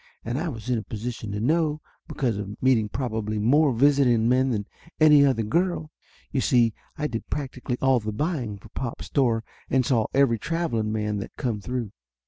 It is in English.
And I was in a position to know, because of meeting probably more visiting men than any other girl. You see I did practically all the buying for pop's store and saw every traveling man that come through.